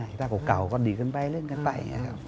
กิต้าเก่าก็ดีกันไปเล่นกันไป